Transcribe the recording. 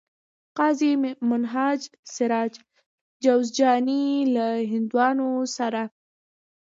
قاضي منهاج سراج جوزجاني له هندوانو سره